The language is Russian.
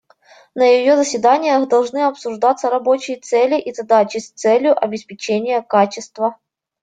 На ее заседаниях должны обсуждаться рабочие цели и задачи с целью обеспечения качества.